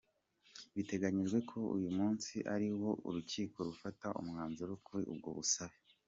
Biteganijwe ko uyu munsi ari bwo urukiko rufata umwanzuro kuri ubwo busabe.